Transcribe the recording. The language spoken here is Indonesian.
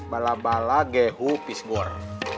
bala bala gehu pisgur